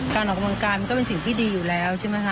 การออกกำลังกายมันก็เป็นสิ่งที่ดีอยู่แล้วใช่ไหมคะ